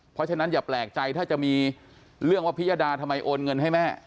เพราะฉะนั้นอย่าแปลกใจถ้าจะมีเรื่องว่าพิยดาทำไมโอนเงินให้แม่